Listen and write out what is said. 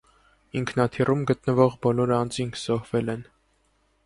Ինքնաթիռում գտնվող բոլոր անձինք զոհվել են։